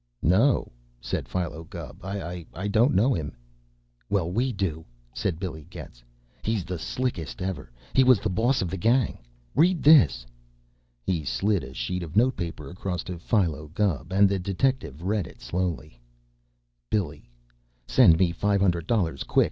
"No," said Philo Gubb. "I don't know him." "Well, we do," said Billy Getz. "He's the slickest ever. He was the boss of the gang. Read this!" He slid a sheet of note paper across to Philo Gubb, and the detective read it slowly: Billy: Send me five hundred dollars quick.